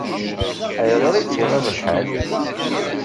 Ayɣer i tt-iɣaḍ lḥal?